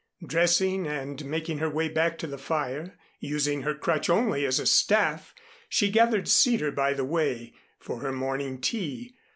Dressing and making her way back to the fire, using her crutch only as a staff, she gathered cedar by the way, for her morning tea.